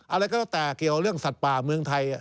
อะไรก็แล้วแต่เกี่ยวเรื่องสัตว์ป่าเมืองไทย